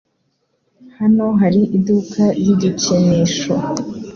Hano hari iduka ry igikinisho.